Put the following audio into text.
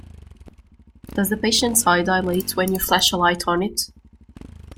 Does the patients eye dilate when you flash a light on it?